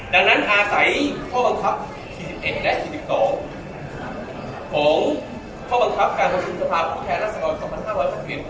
ดังนั้นอาศัยพศ๔๑และ๔๒ของพศการประชุมสภาคมผู้แทนรัฐสังคมของ๒๕๖๑